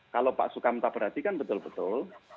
kalau pak sukamta perhatikan betul betul